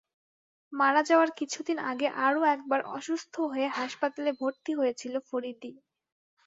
মারা যাওয়ার কিছুদিন আগে আরও একবার অসুস্থ হয়ে হাসপাতালে ভর্তি হয়েছিল ফরীদি।